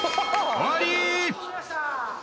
終わり！